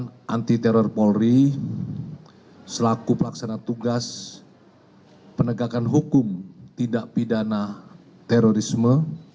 densus delapan puluh delapan anti teror polri selaku pelaksana tugas penegakan hukum tindak pidana terorisme